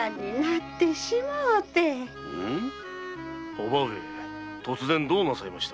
叔母上突然どうなさいました？